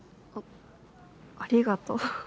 あありがとう。